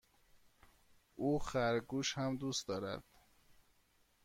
او خرگوش هم دوست دارد.